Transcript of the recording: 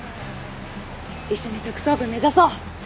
一緒に特捜部目指そう！